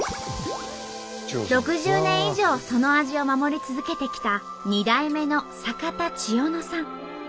６０年以上その味を守り続けてきた２代目の坂田チヨノさん。